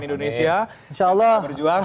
insya allah berjuang